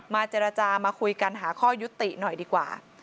เจรจามาคุยกันหาข้อยุติหน่อยดีกว่า